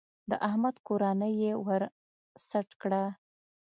د احمد کورنۍ يې ور سټ کړه.